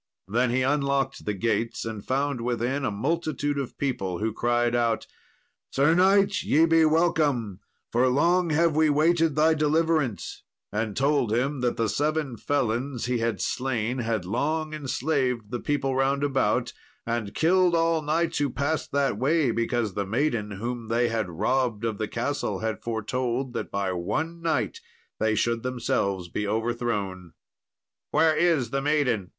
Then he unlocked the gates, and found within a multitude of people, who cried out, "Sir knight, ye be welcome, for long have we waited thy deliverance," and told him that the seven felons he had slain had long enslaved the people round about, and killed all knights who passed that way, because the maiden whom they had robbed of the castle had foretold that by one knight they should themselves be overthrown. "Where is the maiden?"